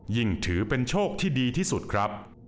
ถือเป็นโชคที่ดีที่สุดครับ